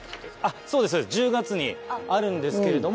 そうです１０月にあるんですけれども。